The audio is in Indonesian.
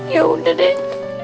ya udah deh